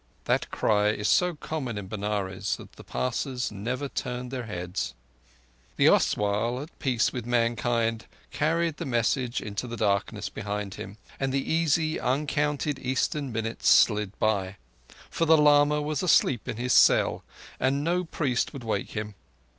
That cry is so common in Benares that the passers never turned their heads. The Oswal, at peace with mankind, carried the message into the darkness behind him, and the easy, uncounted Eastern minutes slid by; for the lama was asleep in his cell, and no priest would wake him.